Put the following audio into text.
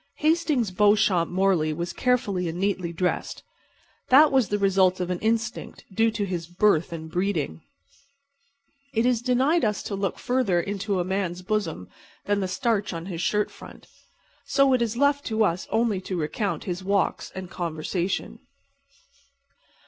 Hastings Beauchamp Morley was carefully and neatly dressed. That was the result of an instinct due to his birth and breeding. It is denied us to look further into a man's bosom than the starch on his shirt front; so it is left to us only to recount his walks and conversation.